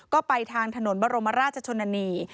ก็ไปทางถนนบรมราชชนนานี